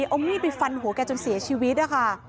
เอามีดไปฟันหัวแกจนเสียชีวิตนะคะ